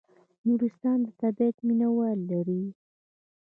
نورستان د طبیعت مینه وال لري